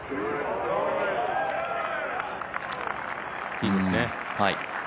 いいですね。